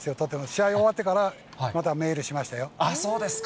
試合終わってからまたメールしましたよ。